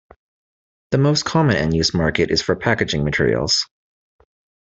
The most common end use market is for packaging materials.